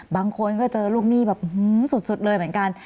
บางคนก็เจอลูกหนี้แบบสุดเลยเหมือนกัน